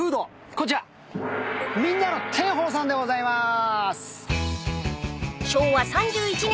こちらみんなのテンホウさんでございます。